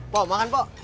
pak makan pak